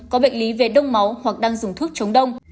có bệnh lý về đông máu hoặc đang dùng thuốc chống đông